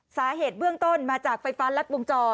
สาเหตุเบื้องต้นมาจากไฟฟ้ารัดวงจร